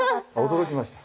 驚きました。